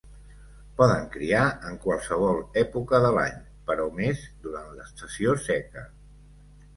Poden criar en qualsevol època de l'any, però més durant l'estació seca.